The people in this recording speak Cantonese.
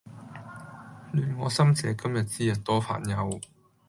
亂我心者，今日之日多煩憂！